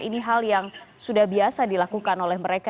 ini hal yang sudah biasa dilakukan oleh mereka